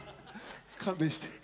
勘弁して。